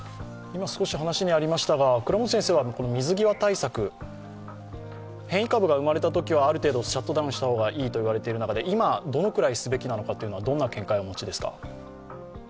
倉持先生は水際対策、変異株が生まれたときはある程度シャットダウンしたほうがいいといわれている中で今、どのくらいすべきなのかというのはどんな見解をお持ちですか？